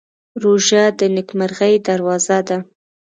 روژه د نېکمرغۍ دروازه ده.